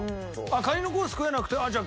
カニのコース食えなくてじゃあ